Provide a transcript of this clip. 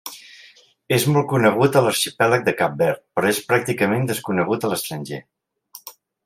És molt conegut a l'arxipèlag de Cap Verd, però és pràcticament desconegut a l'estranger.